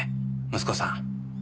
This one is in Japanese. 息子さん。